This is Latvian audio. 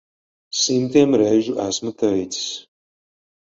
Simtiem reižu esmu teicis.